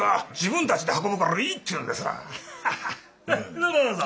どうぞどうぞ。